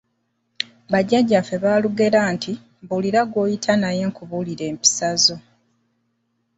Bajjajjaffe baalugera dda nti: Mbuulira gw'oyita naye nkubuulire empisa zo.